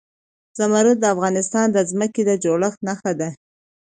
زمرد د افغانستان د ځمکې د جوړښت نښه ده.